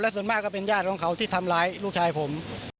ส่วนมากก็เป็นญาติของเขาที่ทำร้ายลูกชายผม